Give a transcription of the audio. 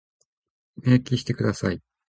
明記してください。